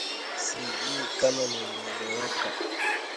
sijui kama naeleweka